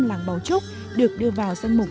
làng bảo trúc được đưa vào sân mục